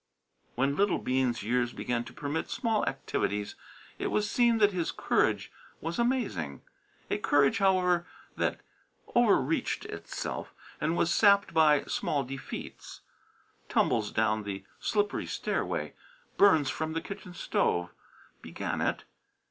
When little Bean's years began to permit small activities it was seen that his courage was amazing: a courage, however, that quickly overreached itself, and was sapped by small defeats. Tumbles down the slippery stairway, burns from the kitchen stove, began it.